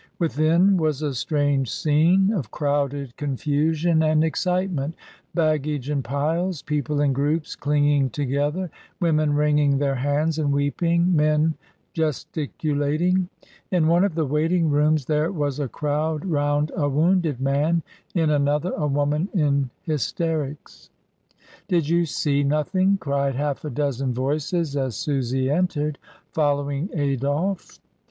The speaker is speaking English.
... Within was a strange scene of crowded con fusion and excitement — baggage in piles, people in groups clinging together, women wringing their hands and weeping, men gesticulating. In one of the waiting rooms there was a crowd round a wounded man, in another a woman in hysterics. "Did you see nothing?" cried half a dozen voices as Susy entered, following Adolphe.